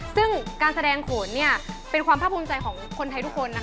ซึ่งการแสดงโขนเป็นความภาคภูมิใจของคนไทยทุกคน